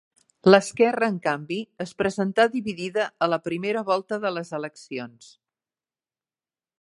L'esquerra, en canvi, es presentà dividida a la primera volta de les eleccions.